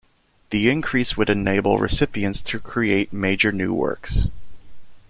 The increase would enable recipients to create major new works.